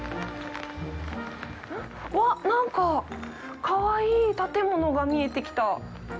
うわっ、なんか、かわいい建物が見えてきた！